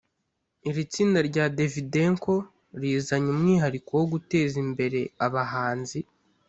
Iri tsinda rya Davydenko rizanye umwihariko wo guteza imbere abahanzi